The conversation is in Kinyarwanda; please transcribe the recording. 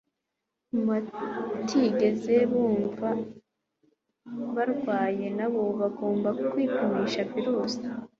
mu batigeze bumva barwaye nabo bagomba kwi pimisha virusi